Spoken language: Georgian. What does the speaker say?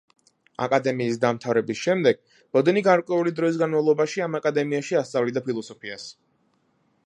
აკადემიის დამთავრების შემდეგ ბოდენი გარკვეული დროის განმავლობაში ამ აკადემიაში ასწავლიდა ფილოსოფიას.